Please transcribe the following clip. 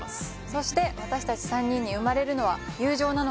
そして私達３人に生まれるのは友情なのか？